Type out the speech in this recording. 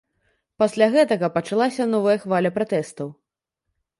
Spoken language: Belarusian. Пасля гэтага пачалася новая хваля пратэстаў.